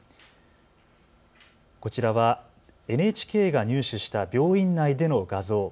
こちらはＮＨＫが入手した病院内での画像。